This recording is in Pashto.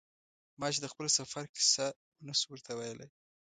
ما چې د خپل سفر کیسه و نه شو ورته ویلای.